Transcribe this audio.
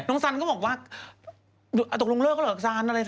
น้องซันก็บอกว่าตกลงเลิกหรอกซันอะไร